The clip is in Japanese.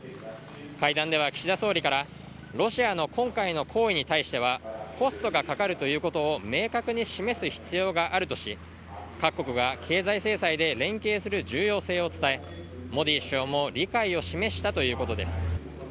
会談では、岸田総理からロシアの今回の行為に対してはコストがかかるということを明確に示す必要があるとし各国が経済制裁で連携する重要性を伝えモディ首相も理解を示したということです。